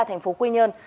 thành phố quy nhơn